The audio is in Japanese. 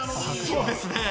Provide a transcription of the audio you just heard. そうですね。